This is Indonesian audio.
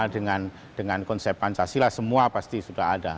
dengan konsep pancasila semua pasti sudah ada